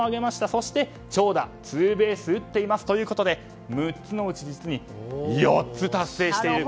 そして長打、ツーベース打っていますということで６つのうち実に４つ達成している。